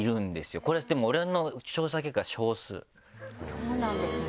そうなんですね。